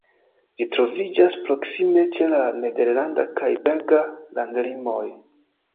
Ĝi troviĝas proksime ĉe la nederlanda kaj belga landlimoj.